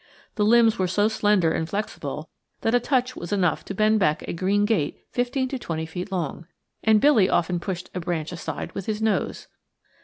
The limbs were so slender and flexible that a touch was enough to bend back a green gate fifteen to twenty feet long, and Billy often pushed a branch aside with his nose.